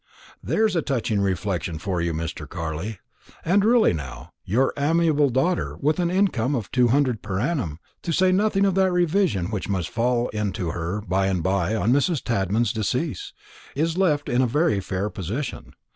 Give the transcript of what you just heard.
There is a touching reflection for you, Mr. Carley! And really now, your amiable daughter, with an income of two hundred per annum to say nothing of that reversion which must fall in to her by and by on Mrs. Tadman's decease is left in a very fair position.